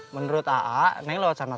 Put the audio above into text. menurut a'ah neng lewat sana saja